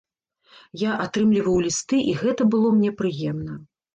Я атрымліваў лісты, і гэта было мне прыемна.